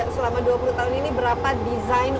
selama dua puluh tahun ini berapa desain